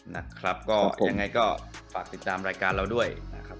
นะครับก็ยังไงก็ฝากติดตามรายการเราด้วยนะครับ